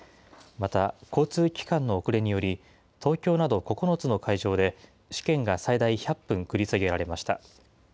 また交通機関の遅れにより、東京など９つの会場で、試験が最大１００分繰り下げられました。